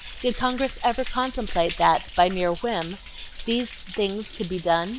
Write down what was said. Did Congress ever contemplate that, by mere whim, these things could be done?